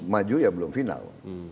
maju ya belum final